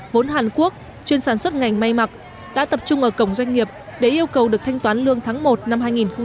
vốn hàn quốc chuyên sản xuất ngành may mặc đã tập trung ở cổng doanh nghiệp để yêu cầu được thanh toán lương tháng một năm hai nghìn hai mươi